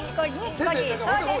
そうです。